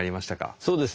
そうですね